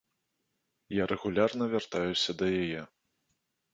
Я рэгулярна вяртаюся да яе.